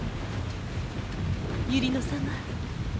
百合野様